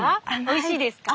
おいしいですか？